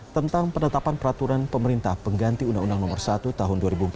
tentang penetapan peraturan pemerintah pengganti undang undang nomor satu tahun dua ribu empat belas